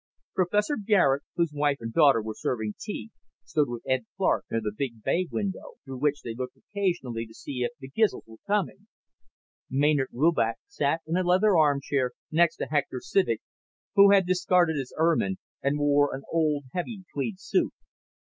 Professor Garet, whose wife and daughter were serving tea, stood with Ed Clark near the big bay window, through which they looked occasionally to see if the Gizls were coming. Maynard Rubach sat in a leather armchair next to Hector Civek, who had discarded his ermine and wore an old heavy tweed suit.